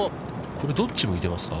これどっち向いてますか。